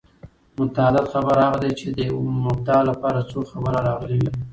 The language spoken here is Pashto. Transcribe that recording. متعدد خبر هغه دئ، چي د یوې مبتداء له پاره څو خبره راغلي يي.